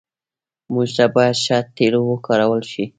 موټر ته باید ښه تیلو وکارول شي.